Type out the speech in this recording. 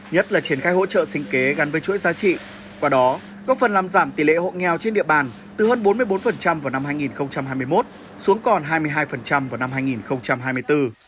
nhất là triển khai hỗ trợ sinh kế gắn với chuỗi giá trị qua đó góp phần làm giảm tỷ lệ hộ nghèo trên địa bàn từ hơn bốn mươi bốn vào năm hai nghìn hai mươi một xuống còn hai mươi hai vào năm hai nghìn hai mươi bốn